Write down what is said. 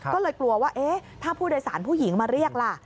ก็เลยกลัวว่าถ้าผู้โดยสารผู้หญิงมาเรียกล่ะ